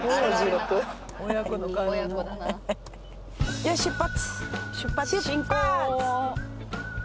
よし出発。